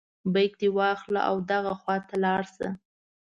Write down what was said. بیک دې واخله او دغه خواته لاړ شه.